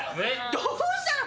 どうしたの？